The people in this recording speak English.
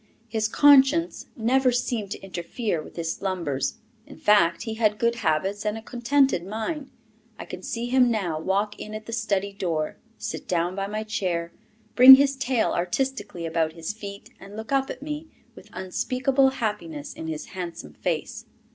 His conscience never seemed to interfere with his slumbers. In fact, he had good habits and a contented mind. I can see him now walk in at the study door, sit down by my chair, bring his tail artistically about his feet, and look up at me with unspeakable happiness in his handsome face.